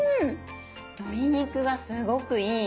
鶏肉がすごくいい。